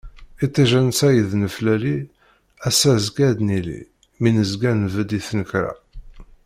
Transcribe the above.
Iṭij ansa i d-neflali, ass-a azekka ad nili, mi nezga nbedd i tnekra.